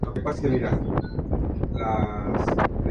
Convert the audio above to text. En otros casos, la distinción es de orientación y resultados esperados.